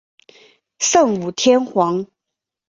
圣武天皇。